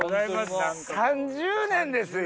３０年ですよ？